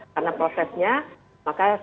karena prosesnya maka